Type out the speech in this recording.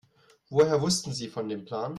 Woher wussten Sie von dem Plan?